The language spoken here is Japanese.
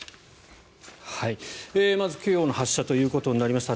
まず、今日の発射ということになりました。